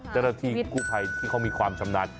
แต่ละทีคู่ภัยที่มีความชำนาญ